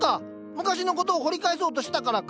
昔のことを掘り返そうとしたからか。